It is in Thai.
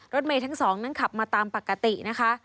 รถเมธั้ง๒ครับมาตามปกตินะคะ